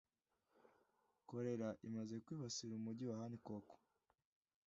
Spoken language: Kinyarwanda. Kolera imaze kwibasira Umujyi wa Hancock,